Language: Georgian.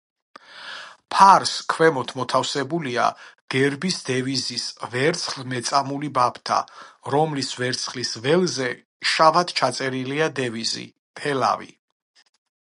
ფარს ქვემოთ მოთავსებულია გერბის დევიზის ვერცხლ-მეწამული ბაფთა, რომლის ვერცხლის ველზე შავად ჩაწერილია დევიზი „თელავი“.